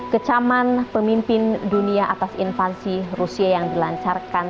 kecaman pemimpin dunia atas invasi rusia yang dilancarkan